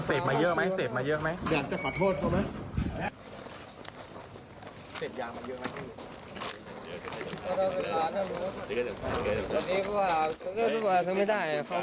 เสพมาเยอะไหม